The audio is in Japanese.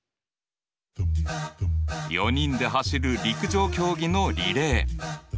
４人で走る陸上競技のリレー。